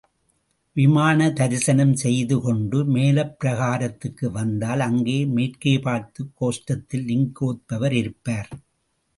விமான தரிசனம் செய்து கொண்டே மேலப் பிரகாரத்துக்கு வந்தால், அங்கே மேற்கே பார்த்த கோஷ்டத்தில் லிங்கோத்பவர் இருப்பார்.